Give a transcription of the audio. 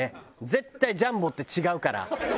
絶対「ジャンボ」って違うから。